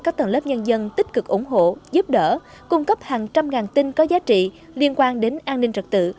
các tầng lớp nhân dân tích cực ủng hộ giúp đỡ cung cấp hàng trăm ngàn tin có giá trị liên quan đến an ninh trật tự